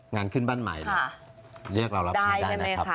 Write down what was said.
งานขึ้นบ้านใหม่เนี่ยเรียกเรารับซื้อได้นะครับ